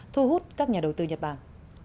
thu hút các nhà đầu tư nhật bản